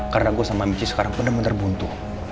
karena gue sama michi sekarang bener bener buntu